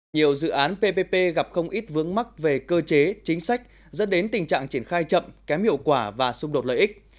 nhiều dự án ppp gặp không ít vướng mắt về cơ chế chính sách dẫn đến tình trạng triển khai chậm kém hiệu quả và xung đột lợi ích